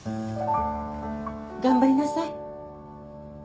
頑張りなさい。